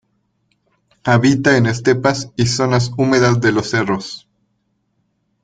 Habita en estepas y zonas húmedas de los cerros.